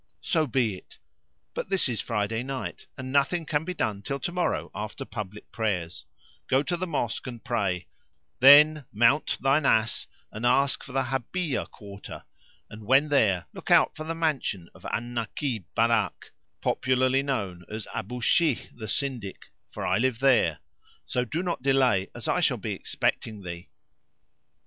"So be it; but this is Friday[FN#527] night and nothing can be done till tomorrow after public prayers; go to the Mosque and pray; then mount thine ass, and ask for the Habbániyah[FN#528] quarter; and, when there, look out for the mansion of Al Nakib[FN#529] Barakát, popularly known as Abu Shámah the Syndic; for I live there: so do not delay as I shall be expecting thee."